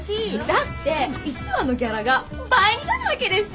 だって１話のギャラが倍になるわけですし。